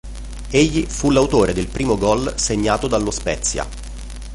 Egli fu l'autore del primo gol segnato dallo Spezia.